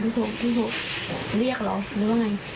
พี่ฟูพี่ฟู